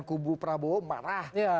kubu prabowo marah ya